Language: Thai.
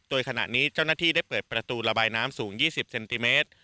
โดยขณะนี้เจ้าหน้าที่ได้เปิดประตูระบายน้ำสูง๒๐เซนติเมตร